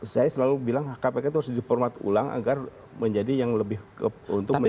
saya selalu bilang kpk itu harus di format ulang agar menjadi yang lebih untuk mendukung